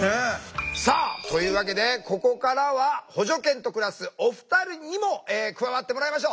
さあというわけでここからは補助犬と暮らすお二人にも加わってもらいましょう。